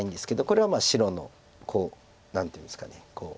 これは白の何ていうんですか。